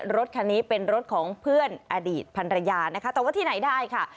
รถคันนี้เป็นรถของเพื่อนอดีตพันรยานะคะแต่ว่าที่ไหนได้ค่ะ